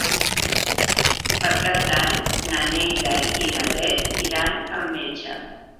Per Cap d'Any na Neida i na Bet iran al metge.